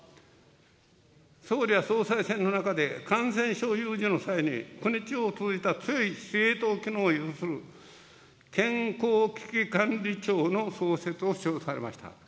総理は総裁選の中で、感染症有事の際に、国・地方を通じた強い司令塔機能を有する健康危機管理庁の創設を主張されました。